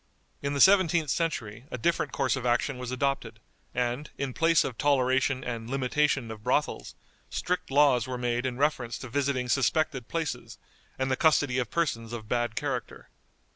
In the seventeenth century a different course of action was adopted, and, in place of toleration and limitation of brothels, strict laws were made in reference to visiting suspected places, and the custody of persons of bad character.